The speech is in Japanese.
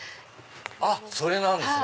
あっそれなんですか！